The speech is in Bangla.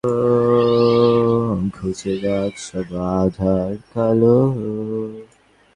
বাংলা ভাষাভাষী মানুষের মধ্যে বইপড়া স্বভাবটা আরো বিস্তৃত করার জন্যই কেবল এই ক্ষুদ্র প্রয়াস।